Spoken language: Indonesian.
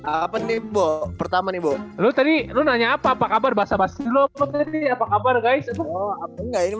apetip pertama nih bu lu tadi lu nanya apa apa kabar basa basi lu apa kabar guys